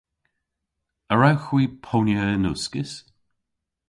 A wrewgh hwi ponya yn uskis?